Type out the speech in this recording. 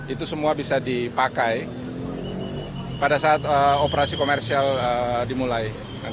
itu semua bisa dipakai pada saat operasi komersial dimulai